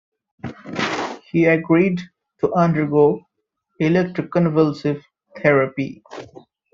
He agreed to undergo electro-convulsive therapy.